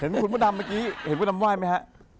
เห็นคุณผู้ดำเมื่อกี้เห็นคุณผู้ดำว่ายไหมฮะ